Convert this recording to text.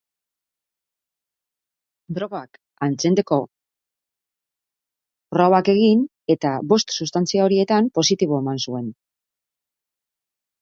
Drogak antzemteko probak egin eta bost substantzia horietan positibo eman zuen.